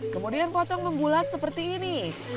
kemudian potong membulat seperti ini